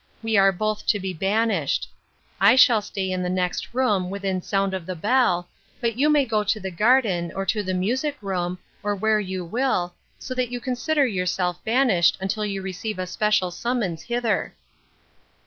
We are both to be ban ished ; I shall stay in the next room, within sound of the bell, but you may go to the garden, or to the music room, or where you will, so that you consider yourself banished until you receive a special summons hither."